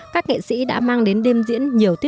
các nghệ sĩ đã mang đến đêm diễn nhiều chương trình